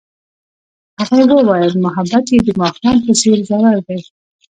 هغې وویل محبت یې د ماښام په څېر ژور دی.